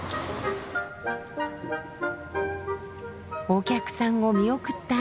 お客さんを見送った